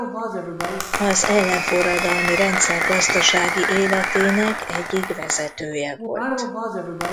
Az ellenforradalmi rendszer gazdasági életének egyik vezetője volt.